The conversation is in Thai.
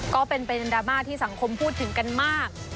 ก็เป็นประเด็นดราม่าที่สังคมพูดถึงกันมาก